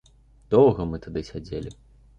Доўга мы тады сядзелі.